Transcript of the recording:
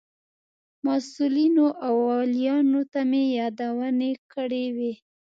مسئولینو او والیانو ته مې یادونې کړې وې.